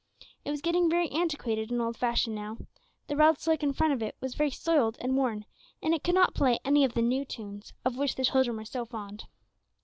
It was getting very antiquated and old fashioned now; the red silk in front of it was very soiled and worn, and it could not play any of the new tunes of which the children were so fond.